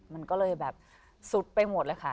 มันก็เลยแบบสุดไปหมดเลยค่ะ